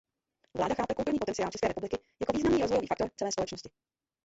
Vláda chápe kulturní potenciál České republiky jako významný rozvojový faktor celé společnosti.